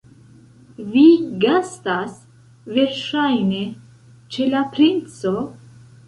Vi gastas, verŝajne, ĉe la princo?